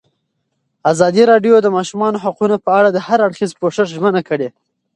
ازادي راډیو د د ماشومانو حقونه په اړه د هر اړخیز پوښښ ژمنه کړې.